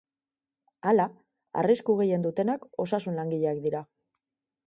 Hala, arrisku gehien dutenak osasun-langileak dira.